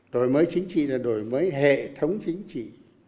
đổi mới chính trị là đổi mới hệ thống chính trị